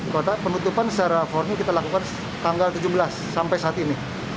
kota penutupan secara formil kita lakukan tanggal tujuh belas sampai saat ini